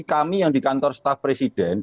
kami yang di kantor staff presiden